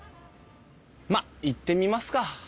まあ行ってみますか。